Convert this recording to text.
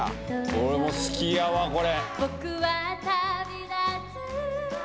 俺も好きやわこれ。